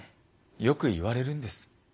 よく言われるんです。